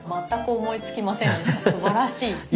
全く思いつきませんでした。